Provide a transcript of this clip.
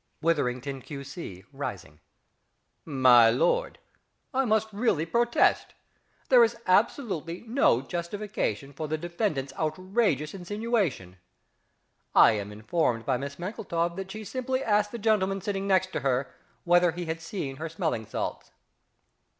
_) Witherington, Q.C. (rising). My lord, I really must protest. There is absolutely no justification for the defendant's outrageous insinuation. I am informed by Miss MANKLETOW that she simply asked the gentleman sitting next to her whether he had seen her smelling salts!